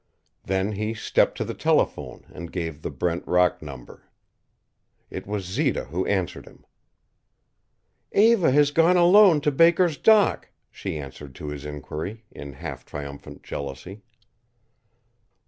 Then he stepped to the telephone and gave the Brent Rock number. It was Zita who answered him. "Eva has gone alone to Baker's dock," she answered to his inquiry, in half triumphant jealousy.